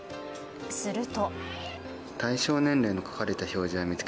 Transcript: すると。